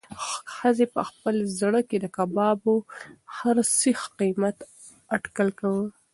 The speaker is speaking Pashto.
ښځې په خپل زړه کې د کبابو د هر سیخ قیمت اټکل کاوه.